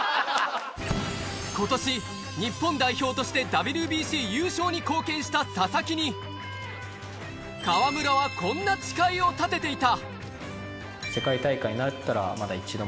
ことし、日本代表としてＷＢＣ優勝に貢献した佐々木に、河村はこんな誓いを立てていた。